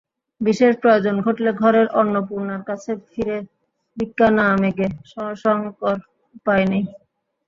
বিশেষ প্রয়োজন ঘটলে ঘরের অন্নপূর্ণার কাছে ফিরে ভিক্ষা না মেগে শশাঙ্কর উপায় নেই।